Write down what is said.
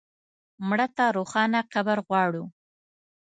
مړه ته روښانه قبر غواړو